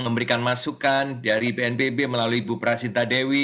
memberikan masukan dari bnpb melalui ibu prasinta dewi